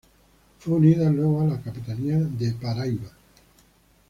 Fue unida luego a la capitanía de Paraíba.